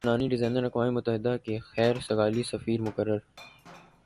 لبنانی designer اقوام متحدہ کے خیر سگالی سفیر مقرر